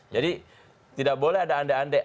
jadi tidak boleh ada ande ande